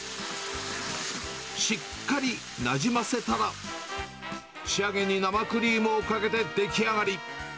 しっかりなじませたら、仕上げに生クリームをかけて出来上がり。